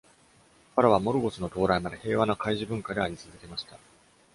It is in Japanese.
ファラはモルゴスの到来まで平和な海事文化であり続けました。